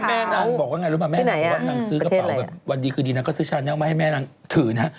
เพราะแม่นางบอกว่าไงรู้ป่ะแม่นางซื้อกระเป๋าแบบวันดีคือดีนางก็ซื้อฉันไม่ให้แม่นางถือนะ